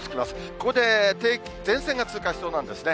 ここで前線が通過しそうなんですね。